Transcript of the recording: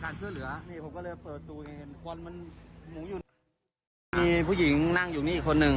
นี่ผมก็เลยเปิดตัวเองมีผู้หญิงนั่งอยู่นี่อีกคนนึง